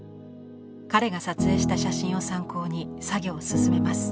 彼が撮影した写真を参考に作業を進めます。